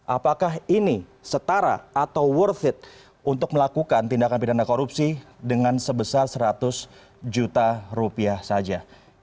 apakah ini setara atau worth it untuk melakukan tindakan pidana korupsi dengan sebesar seratus juta rupiah saja